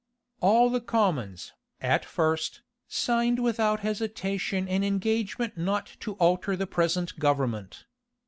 All the commons, at first, signed without hesitation an engagement not to alter the present government.